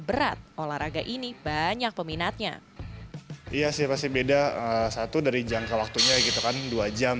berat olahraga ini banyak peminatnya iya sih pasti beda satu dari jangka waktunya gitu kan dua jam